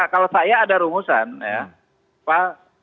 kalau saya ada rumusan ya